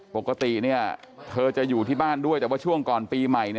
ปกติเธอจะอยู่ที่บ้านด้วยแต่ว่าช่วงก่อนปีใหม่